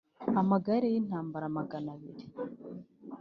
amagare y intambara Magana abiri